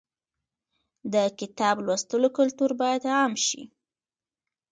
د کتاب لوستلو کلتور باید عام شي.